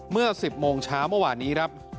เมื่อ๑๐โมงเช้าเมื่อวานนี้ครับ